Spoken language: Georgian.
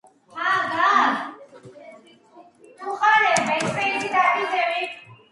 ალხესირასის ალყა იყო ერთ-ერთი პირველი ბრძოლა ევროპაში, სადაც დენთი გამოიყენეს.